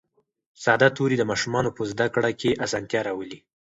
ساده توري د ماشومانو په زده کړه کې اسانتیا راولي